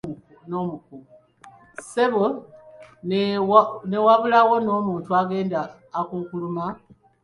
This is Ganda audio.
Ssebo ne wabulawo n'omuntu agenda akukuluma.